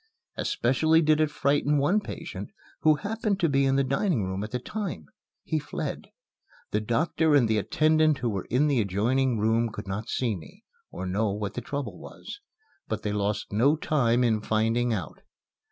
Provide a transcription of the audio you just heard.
Especially did it frighten one patient who happened to be in the dining room at the time. He fled. The doctor and the attendant who were in the adjoining room could not see me, or know what the trouble was; but they lost no time in finding out.